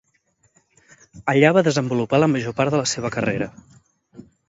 Allà va desenvolupar la major part de la seva carrera.